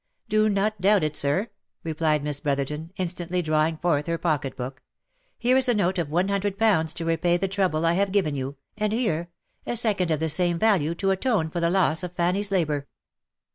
" Do not doubt it, sir," replied Miss Brotherton, instantly drawing forth her pocket book. Here is a note of one hundred pounds to repay the trouble I have given you, and here, a second of the same value to atone for the loss of Fanny's labour."